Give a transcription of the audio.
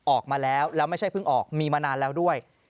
ออกมาแล้วแล้วไม่ใช่เพิ่งออกมีมานานแล้วด้วย